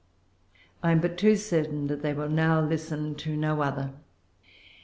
I am but too certain they will now listen to no other.